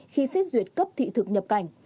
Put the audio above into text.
khi xét duyệt cấp thị thực nhập cảnh